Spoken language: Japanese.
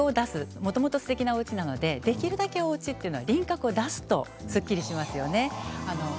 もともと、すてきなおうちなのでできるだけ輪郭を出すとすっきりしますね。